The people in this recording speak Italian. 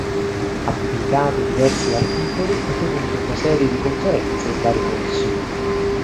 Ha pubblicato diversi articoli e tenuto una serie di conferenze in vari corsi.